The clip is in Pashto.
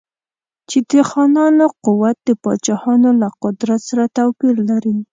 چې د خانانو قوت د پاچاهانو له قدرت سره توپیر لري.